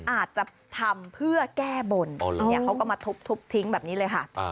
อาจจะทำเพื่อแก้บนเขาก็มาทุบทิ้งแบบนี้เลยค่ะ